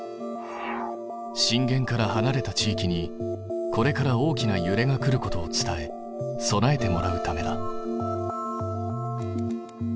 震源からはなれた地域にこれから大きなゆれが来ることを伝え備えてもらうためだ。